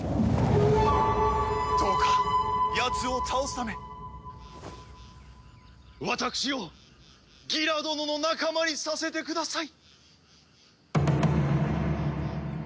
どうかやつを倒すため私をギラ殿の仲間にさせてください。